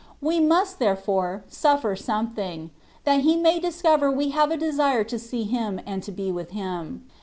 We must, there fore, suffer something, that He may discover we have a desire to see Him and to be with Him.